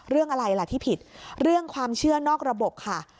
เรื่องอะไรล่ะที่ผิดเรื่องความเชื่อนอกระบบค่ะ